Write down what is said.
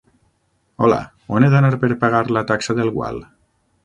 Hola, on he d'anar per pagar la taxa del gual?